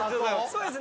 そうです。